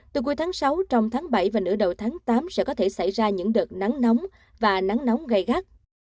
từ cuối tháng sáu trong tháng bảy và nửa đầu tháng tám sẽ có thể xảy ra những đợt nắng nóng và nắng nóng gai gắt